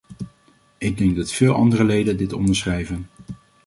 Ik denk dat veel andere leden dit onderschrijven.